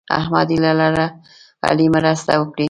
احمد هیله لرله علي مرسته وکړي.